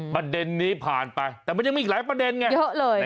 ประเด็นนี้ผ่านไปแต่มันยังมีอีกหลายประเด็นไงเยอะเลย